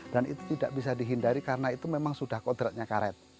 dan itu tidak bisa dihindari karena itu memang sudah kodratnya karet